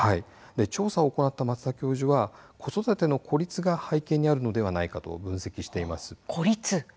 調査を行った松田教授は子育ての孤立が背景にあるのではないかと分析しています。